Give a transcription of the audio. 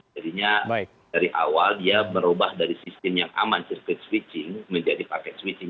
jadinya dari awal dia berubah dari sistem yang aman circuit switching menjadi pakai switching